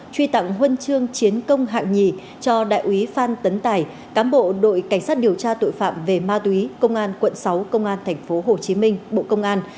truy tặng huân chương chiến công hạng nhì cho đại úy phan tấn tài cám bộ đội cảnh sát điều tra tội phạm về ma túy công an quận sáu công an tp hcm bộ công an